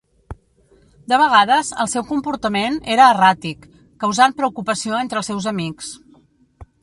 De vegades, el seu comportament era erràtic, causant preocupació entre els seus amics.